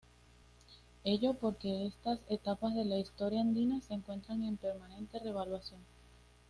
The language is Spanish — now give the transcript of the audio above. Ello porque estas etapas de la historia andina se encuentran en permanente revaluación.